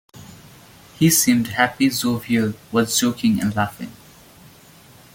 He seemed happy, jovial, was joking and laughing.